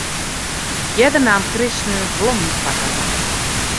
Earder naam Chris sneons blommen foar har mei.